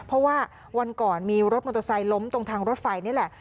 เพราะว่าวันก่อนมีรถมอเตอร์ไซค์ล้มตรงทางรถไฟนี่แหละ